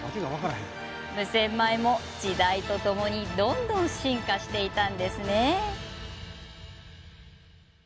無洗米も時代とともにどんどん変化していたんですね。